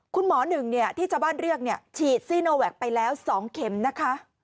คุณหมอหนึ่งที่ชาวบ้านเรียกฉีดซีโนแวคไปแล้ว๒เข็มนะคะ